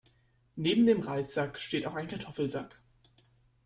Neben dem Reissack steht auch ein Kartoffelsack.